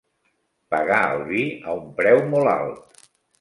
Pagar el vi a un preu molt alt.